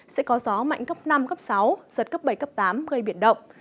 sẽ có gió mạnh cấp năm cấp sáu giật cấp bảy cấp tám gây biển động